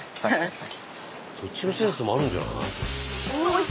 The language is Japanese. そっちのセンスもあるんじゃない？